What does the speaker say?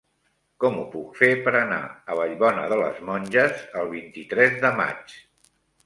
Com ho puc fer per anar a Vallbona de les Monges el vint-i-tres de maig?